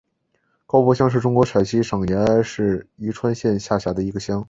高柏乡是中国陕西省延安市宜川县下辖的一个乡。